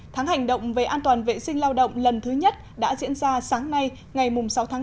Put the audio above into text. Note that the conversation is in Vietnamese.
tháng hành động về an toàn vệ sinh lao động lần thứ nhất đã diễn ra sáng nay ngày sáu tháng bốn